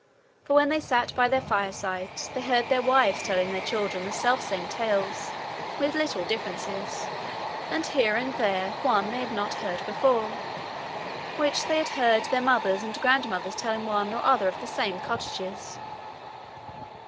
For when they sat by their firesides they heard their wives telling their children the selfsame tales, with little differences, and here and there one they had not heard before, which they had heard their mothers and grandmothers tell in one or other of the same cottages.